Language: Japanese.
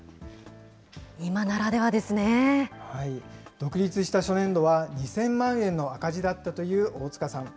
独立した初年度は、２０００万円の赤字だったという大塚さん。